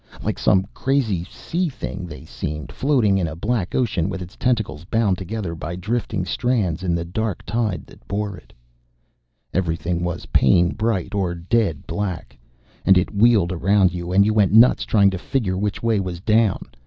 Like some crazy sea thing they seemed, floating in a black ocean with its tentacles bound together by drifting strands in the dark tide that bore it. Everything was pain bright or dead black, and it wheeled around you, and you went nuts trying to figure which way was down.